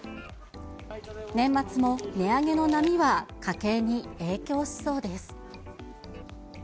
年末も値上げの波は家計に影響しそうです。